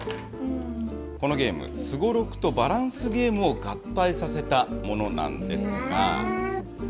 このゲーム、すごろくとバランスゲームを合体させたものなんですが。